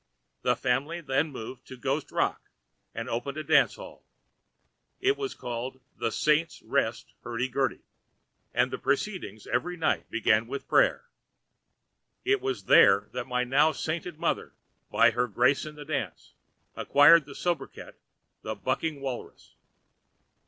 The family then moved to Ghost Rock and opened a dance house. It was called 'The Saints' Rest Hurdy Gurdy,' and the proceedings each night began with prayer. It was there that my now sainted mother, by her grace in the dance, acquired the sobriquet of 'The Bucking Walrus.'